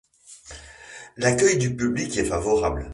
L'accueil du public est favorable.